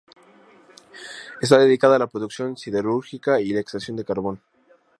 Está dedicada a la producción siderúrgica y la extracción de carbón.